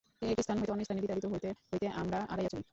এক স্থান হইতে অন্য স্থানে বিতাড়িত হইতে হইতে আমরা আগাইয়া চলি।